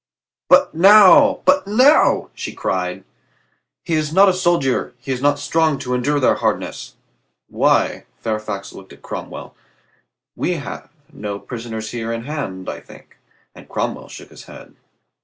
"But now, but now!" she cried. "He is not a soldier; he is not strong to endure their hardness." "Why," Fairfax looked at Cromwell. "We have no prisoners here in hand, I think," and Cromwell shook his head.